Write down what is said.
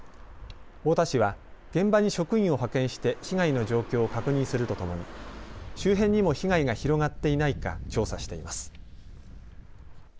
太田市は現場に職員を派遣して被害の状況を確認するとともに周辺にも被害が広がっていないか調査しています。